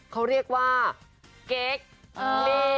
เขาเรียกว่าเก๊ก